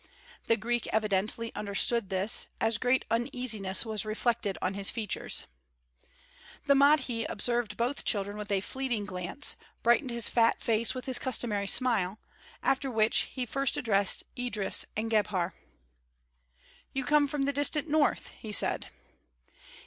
The Greek evidently understood this, as great uneasiness was reflected on his features. The Mahdi observed both children with a fleeting glance, brightened his fat face with his customary smile, after which he first addressed Idris and Gebhr: "You came from the distant north," he said.